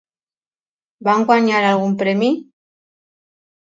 Van guanyar algun premi?